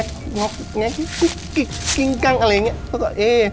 ก็แก๊กโป้